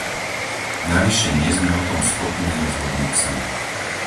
Navyše nie sme o tom schopní rozhodnúť sami.